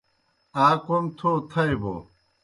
آ کوْم تھو تھائے بوْ